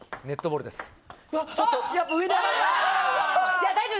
いや、大丈夫。